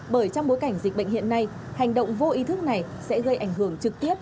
bởi trong bối cảnh dịch bệnh hiện nay hành động vô ý thức này sẽ gây ảnh hưởng trực tiếp